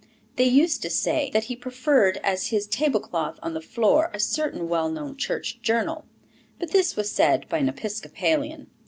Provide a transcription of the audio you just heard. They used to say that he preferred as his table cloth on the floor a certain well known church journal; but this was said by an Episcopalian.